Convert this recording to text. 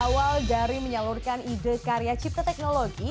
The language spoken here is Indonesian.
awal dari menyalurkan ide karya cipta teknologi